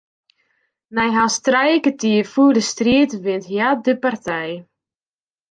Nei hast trije kertier fûle striid wint hja de partij.